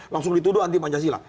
langsung dituduh anti mancasila